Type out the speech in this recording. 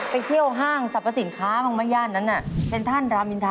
ไปเที่ยวห้างสรรพสินค้าของไว้ย่านนั้น